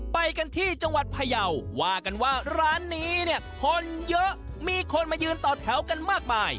ไปกันที่จังหวัดพยาวว่ากันว่าร้านนี้เนี่ยคนเยอะมีคนมายืนต่อแถวกันมากมาย